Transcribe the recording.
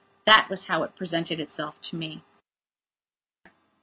That was how it presented itself to me.